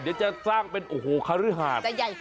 เดี๋ยวจะสร้างเป็นโอ้โหคารือหาดใหญ่